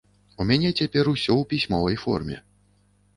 У мяне цяпер усё ў пісьмовай форме.